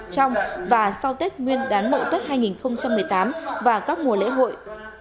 trong và sau tết nguyên đán mộ tuyết hai nghìn một mươi tám và các mùa lễ hội